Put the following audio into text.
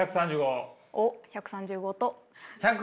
おっ１３５と。